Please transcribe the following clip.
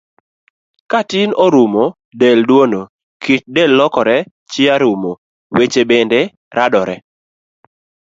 Ka tin orumo, del duono, kit del lokore, chia rumo, weche bende radore.